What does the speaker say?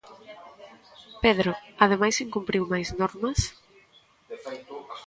Pedro, ademais incumpriu máis normas?